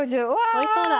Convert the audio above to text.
おいしそうだ。